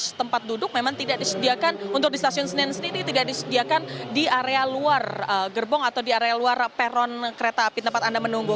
fasilitas tempat duduk memang tidak disediakan untuk di stasiun senen sendiri tidak disediakan di area luar gerbong atau di area luar peron kereta api tempat anda menunggu